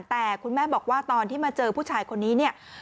แต่คุณแม่บอกว่าตอนที่มาเจอผู้ชายคนนี้เนี่ย